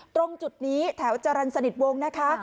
ตรงจุดนี้แถวจรรย์สนิทวงนะคะ